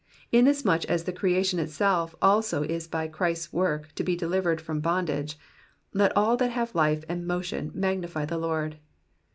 Inasmuch as the creation itself also is by Christ's work to be delivered from bondage, let all that have life and motion magnify the Lord.